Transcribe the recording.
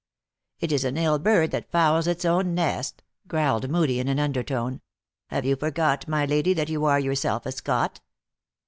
" It is an ill bird that fouls its own nest," growled Moodie in an undertone. " Have you forgot, my lady, that you are yourself a Scot!"